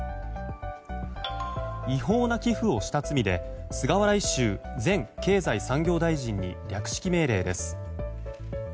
違法な寄付をした罪で菅原一秀前経済産業大臣に略式命令です。